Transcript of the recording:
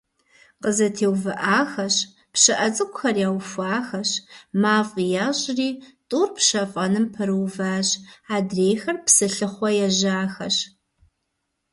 КъызэтеувыӀахэщ, пщыӀэ цӀыкӀухэр яухуахэщ, мафӀи ящӀри тӀур пщэфӀэным пэрыуващ, адрейхэр псылъыхъуэ ежьахэщ.